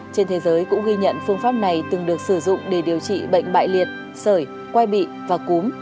trên thế giới cũng ghi nhận phương pháp này từng được sử dụng để điều trị bệnh bại liệt sởi quay bị và cúm